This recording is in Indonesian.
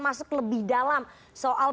masuk lebih dalam soal